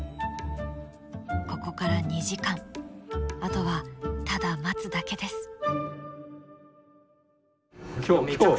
ここから２時間あとはただ待つだけです。